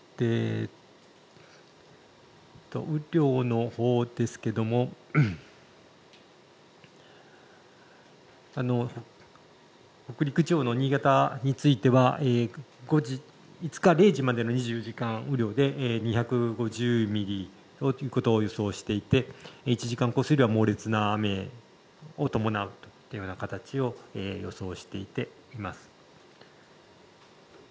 雨量のほうですけども北陸地方の新潟については５日０時までの２４時間雨量で２５０ミリということを予測していて１時間降水量は猛烈な雨を伴うような形を予想しています。